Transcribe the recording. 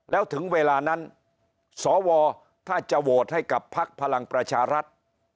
แล้วถึงเวลานั้นสวถ้าจะโหวตให้กับพักพลังประชารัฐ